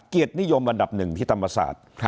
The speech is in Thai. เกียรตินิยมระดับ๑ที่ธรรมศาสตร์